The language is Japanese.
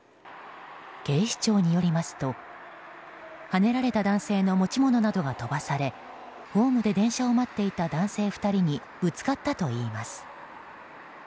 警視庁によりますとはねられた男性の持ち物などが飛ばされホームで電車を待っていた男性２人にぶつかったといいます。